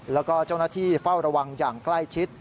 แล้วก็เจ้าหน้าที่เฝ้าระวังอย่างใกล้ชิด